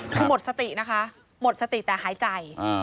คือหมดสตินะคะหมดสติแต่หายใจ